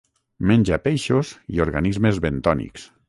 Menja peixos i organismes bentònics.